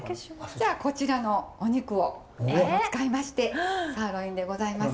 じゃあこちらのお肉を使いましてサーロインでございますけれども。